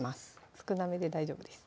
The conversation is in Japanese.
少なめで大丈夫です